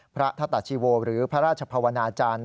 พระทัตตาชีโวหรือพระราชภาวนาจารย์